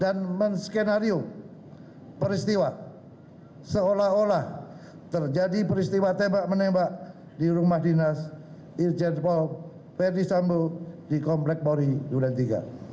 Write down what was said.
dan men skenario peristiwa seolah olah terjadi peristiwa tembak menembak di rumah dinas irjenpol pedisambu di komplek bauri julai tiga